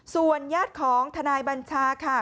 ส่วนญาติของทนายบัญชาค่ะ